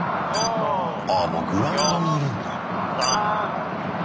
ああもうグラウンドにいるんだ。